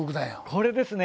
これですね！